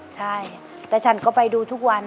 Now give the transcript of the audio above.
ใช่แต่ฉันก็ไปดูทุกวัน